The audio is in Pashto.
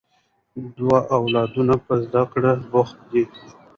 د ده اولادونه په زده کړې بوخت دي